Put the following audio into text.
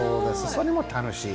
それも楽しい。